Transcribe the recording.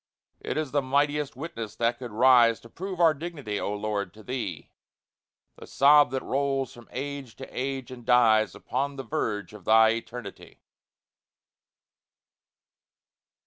It is the mightiest witness that could rise To prove our dignity, O Lord, to Thee; This sob that rolls from age to age, and dies Upon the verge of Thy Eternity!